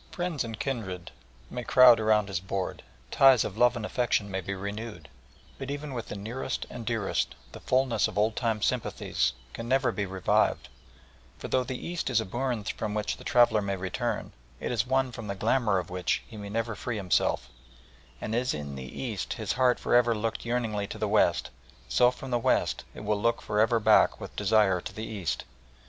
Friends and kindred may crowd around his board, ties of love and affection may be renewed, but even with the nearest and dearest the fulness of old time sympathies can never be revived, for though the East is a bourne from which the traveller may return, it is one from the glamour of which he may never free himself, and as in the East his heart for ever looked yearningly to the West, so from the West it will for ever look back with desire to the East.